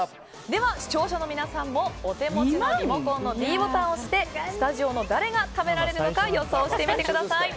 では視聴者の皆さんもお手持ちのリモコンのｄボタンを押してスタジオの誰が食べられるのか予想してみてください。